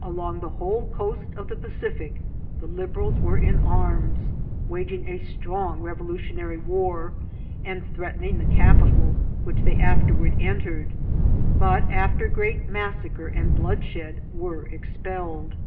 Along the whole coast, of the Pacific the Liberals were in arms, waging a strong revolutionary war, and threatening the capital, which they afterward entered, but, after great massacre and bloodshed, were expelled.